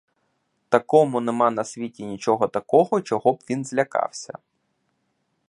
Такому нема на світі нічого такого, чого б він злякався.